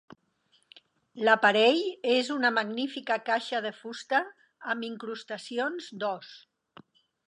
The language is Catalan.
L'aparell és una magnífica caixa de fusta amb incrustacions d'os.